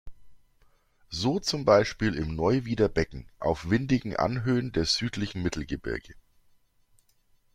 So zum Beispiel im Neuwieder Becken, auf windigen Anhöhen der südlichen Mittelgebirge.